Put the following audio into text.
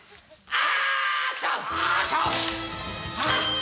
あ！